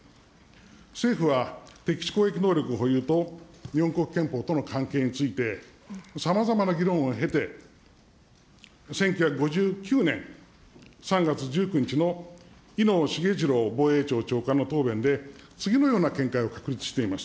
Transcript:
政府は敵基地攻撃能力保有と日本国憲法との関係について、さまざまな議論を経て、１９５９年３月１９日の伊能繁次郎防衛庁長官の答弁で次のような見解を確立しています。